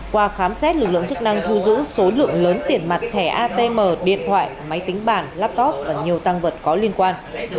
qua khám xét lực lượng chức năng thu giữ số lượng lớn tiền mặt thẻ atm điện thoại máy tính bản laptop và nhiều tăng vật có liên quan